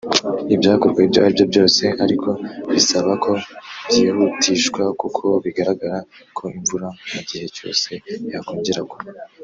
Ibyakorwa ibyo ari byo byose ariko bisaba ko byihutishwa kuko bigaragara ko imvura mu gihe cyose yakongera kugwa